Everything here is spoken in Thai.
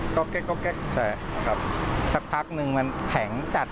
ก็แก๊กใช่ครับสักพักนึงมันแข็งจัด